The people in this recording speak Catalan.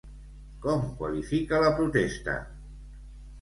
Com qualifica la protesta?